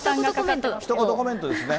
ひと言コメントですね。